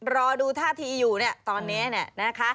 รอดูท่าทีอยู่ตอนนี้นะคะ